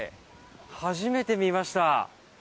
初めて見ました。